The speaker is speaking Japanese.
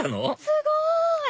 すごい！